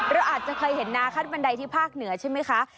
เราอาจจะเคยเห็นนาขั้นบันไดที่ภาคเหนือใช่ไหมคะ